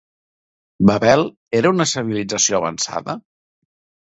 Babel era una civilització avançada?